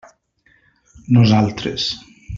Nosaltres.